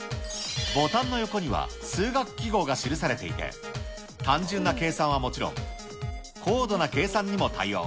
ボタンの横には数学記号が記されていて、単純な計算はもちろん、高度な計算にも対応。